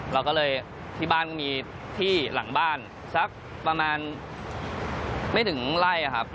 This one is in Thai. เราก็เลยที่บ้านก็มีที่หลังบ้านสักประมาณไม่ถึงไล่ครับ